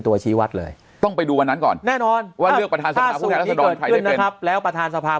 ตัวชีวัตรเลยต้องไปดูวันนั้นก่อนแน่นอนพอให้แล้วประทานสภาพ